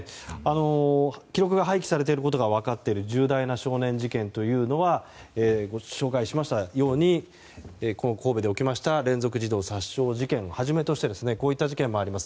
記録が廃棄されていることが分かっている重大な少年事件というのはご紹介しましたように神戸で起きた連続児童殺傷事件をはじめとしてこういった事件もあります。